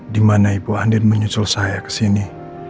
di mana ibu andin menyusul saya kesini